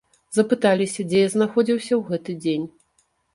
Запыталіся, дзе я знаходзіўся ў гэты дзень.